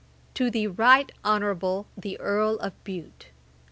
'To THE RIGHT HONOURABLE THE EARL OF BUTE.